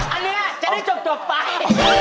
อันนี้จะได้จบไป